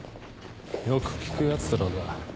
よく聞くヤツらだ。